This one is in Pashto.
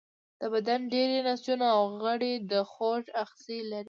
د بدن ډیری نسجونه او غړي د خوږ آخذې لري.